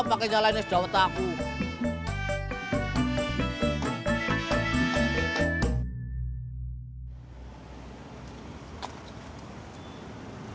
pake nyalain es daun aku